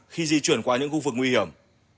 khi di chuyển qua những khu vực nguy hiểm